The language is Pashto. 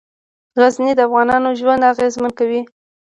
غزني د افغانانو ژوند اغېزمن کوي.